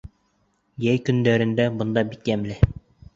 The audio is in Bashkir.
Йәй көндәрендә бында бик йәмле.